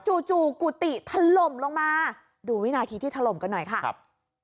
จู่กุฏิถล่มลงมาดูวินาทีที่ถล่มกันหน่อยค่ะครับ